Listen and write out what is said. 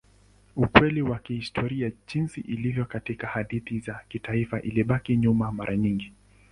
Ukweli wa kihistoria jinsi ilivyo katika hadithi za kitaifa ilibaki nyuma mara nyingi.